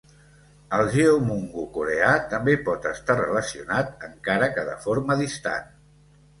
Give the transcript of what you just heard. El "geomungo" coreà també pot estar relacionat, encara que de forma distant.